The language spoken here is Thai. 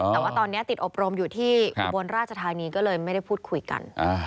แต่ว่าตอนนี้ติดอบรมอยู่ที่อุบลราชธานีก็เลยไม่ได้พูดคุยกัน